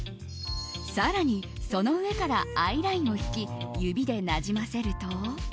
更に、その上からアイラインを引き指でなじませると。